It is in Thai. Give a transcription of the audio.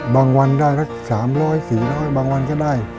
วันได้ละ๓๐๐๔๐๐บางวันก็ได้